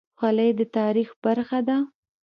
خولۍ د تاریخ برخه ده.